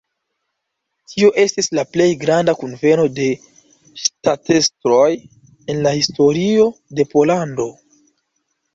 Tio estis la plej granda kunveno de ŝtatestroj en la historio de Pollando.